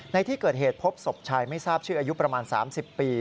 ในที่เกิดเหตุพบศพชายไม่ทราบชื่ออายุประมาณ๓๐ปี